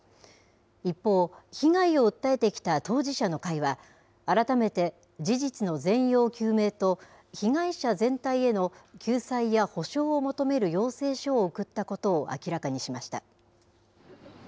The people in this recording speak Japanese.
一方、被害を訴えてきた当事者の会は、改めて事実の全容究明と被害者全体への救済や補償を求める要請書を送ったことを明らかにしました。